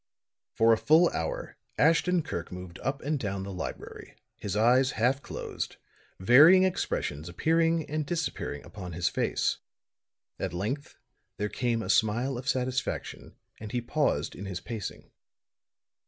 For a full hour, Ashton Kirk moved up and down the library, his eyes half closed, varying expressions appearing and disappearing upon his face. At length there came a smile of satisfaction and he paused in his pacing.